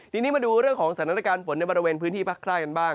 ทีนี้มาดูเรื่องของสถานการณ์ฝนในบริเวณพื้นที่ภาคใต้กันบ้าง